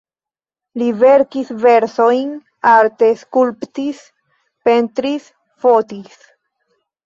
Li verkis versojn, arte skulptis, pentris, fotis.